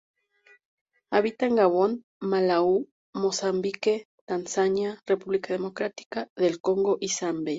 Habita en Gabón, Malaui, Mozambique, Tanzania, República Democrática del Congo y Zambia.